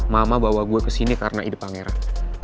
mama bawa gue kesini karena ide pangeran